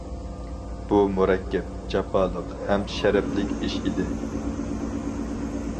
بۇ مۇرەككەپ، جاپالىق ھەم شەرەپلىك ئىش ئىدى.